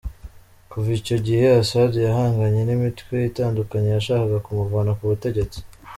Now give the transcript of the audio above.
Kuva icyo gihe Assad yahanganye n’imitwe itandukanye yashakaga kumuvana ku butegetsi.